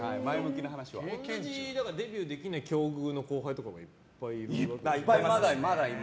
同じようにデビューできない境遇の後輩とかもいっぱいいるの？